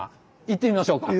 行ってみましょうか。